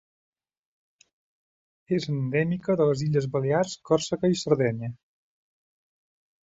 És endèmica de les Illes Balears, Còrsega i Sardenya.